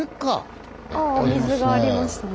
あぁお水がありますね。